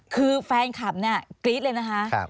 คือแฟนคลับกรี๊ดเลยนะคะ